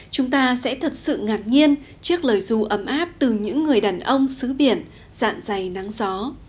chúng ta sẽ thật sự ngạc nhiên trước lời dù ấm áp từ những người đàn ông xứ biển dạn dày nắng gió